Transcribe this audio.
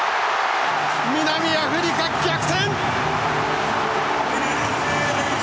南アフリカ、逆転！